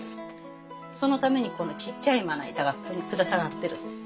そのためにこのちっちゃいまな板がここにつる下がってるんです。